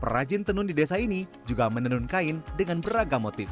perajin tenun di desa ini juga menenun kain dengan beragam motif